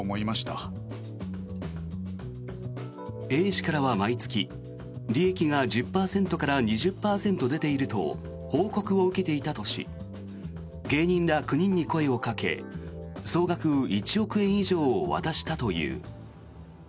Ａ氏からは毎月、利益が１０％から２０％出ていると報告を受けていたとし芸人ら９人に声をかけ総額１億円以上を渡したという。